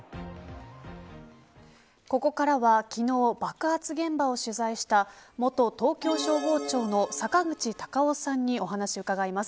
ここからは昨日爆発現場を取材した元東京消防庁の坂口隆夫さんにお話を伺います。